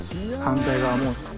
反対側も。